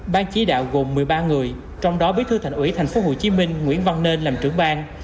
ban chỉ đạo gồm một mươi ba người trong đó bí thư thành ủy tp hcm nguyễn văn nên làm trưởng bang